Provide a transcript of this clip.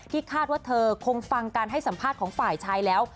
คาดว่าเธอคงฟังการให้สัมภาษณ์ของฝ่ายชายแล้ว